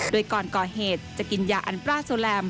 โดยก่อนก่อเหตุจะกินยาอันตราโซแลม